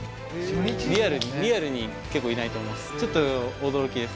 リアルに結構いないと思います。